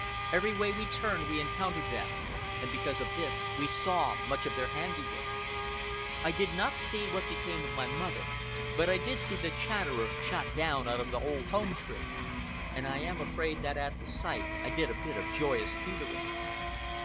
Every way we turned we encountered them, and because of this we saw much of their handiwork. I did not see what became of my mother, but I did see the Chatterer shot down out of the old home tree. And I am afraid that at the sight I did a bit of joyous teetering.